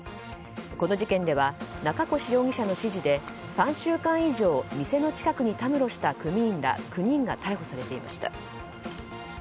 この事件では中越容疑者の指示で３週間以上店の近くにたむろした組員ら９人が逮捕されていました。